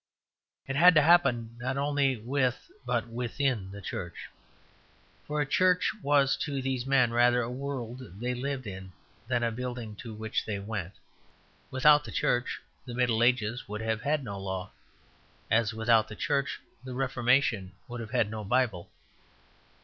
It had to happen not only with but within the Church. For a Church was to these men rather a world they lived in than a building to which they went. Without the Church the Middle Ages would have had no law, as without the Church the Reformation would have had no Bible.